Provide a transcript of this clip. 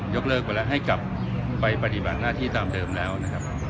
เลิกไปแล้วให้กลับไปปฏิบัติหน้าที่ตามเดิมแล้วนะครับ